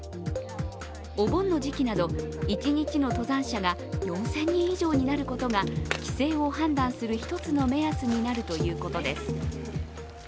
お盆の時期など、一日の登山者が４０００人以上になることが規制を判断する一つの目安になるということです。